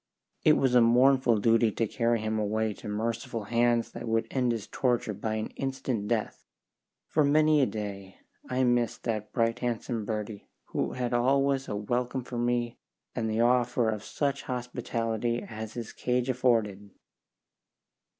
It was a mournful duty to carry him away to merciful hands that would end his torture by an instant death. For many a day I missed that bright, handsome birdie who had always a welcome for me and the offer of such hospitality as his cage afforded.